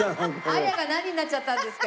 「亜矢」が何になっちゃったんですか？